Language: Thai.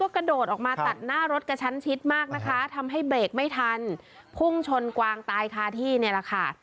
ก็ทำให้เบรกไม่ทันพุ่งชนกวางตายคาที่เนี้ยแหละค่ะ